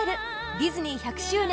ディズニー１００周年